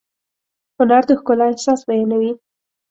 هنر د ښکلا احساس بیانوي.